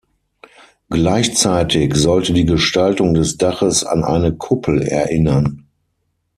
Gleichzeitig sollte die Gestaltung des Daches an eine Kuppel erinnern.